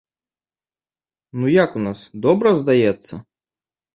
Ну, як у нас, добра, здаецца?